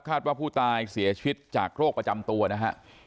ว่าผู้ตายเสียชีวิตจากโรคประจำตัวนะฮะ